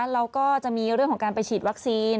เราก็จะมีเรื่องของการไปฉีดวัคซีน